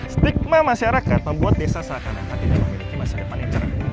stigma masyarakat membuat desa seakan akan tidak memiliki masa depan yang cerah